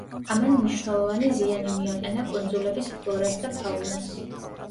ამან მნიშვნელოვანი ზიანი მიაყენა კუნძულების ფლორას და ფაუნას.